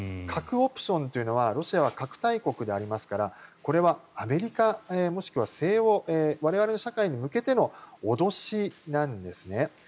核オプションというのはロシアは核大国でありますからこれはアメリカもしくは西欧我々の社会に向けての脅しなんですね。